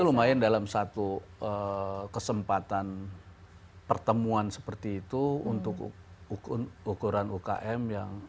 itu lumayan dalam satu kesempatan pertemuan seperti itu untuk ukuran umkm